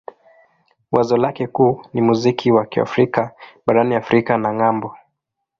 Wazo lake kuu ni muziki wa Kiafrika barani Afrika na ng'ambo.